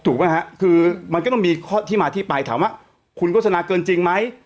ถูกไหมฮะคือมันก็ต้องมีข้อที่มาที่ไปถามว่าคุณโฆษณาเกินจริงไหม